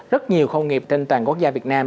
rất nhiều công nghiệp trên toàn quốc gia việt nam